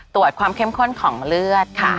ตรวจความเข้มข้นของเลือดค่ะ